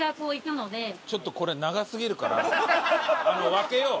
分けよう